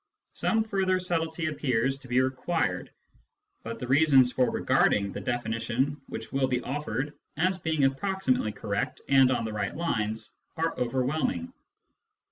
Some further subtlety appears to be required ; but the reasons for regarding the definition which will be offered as being approximately correct and on the right lines are overwhelming.